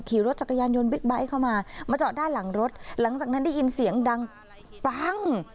ขี่รถจักรยานยนต์บิ๊กไบท์เข้ามามาจอดด้านหลังรถหลังจากนั้นได้ยินเสียงดังปั้ง